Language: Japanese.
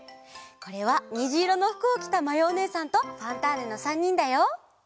これはにじいろのふくをきたまやおねえさんと「ファンターネ！」の３にんだよ。